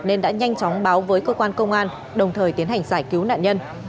nên đã nhanh chóng báo với cơ quan công an đồng thời tiến hành giải cứu nạn nhân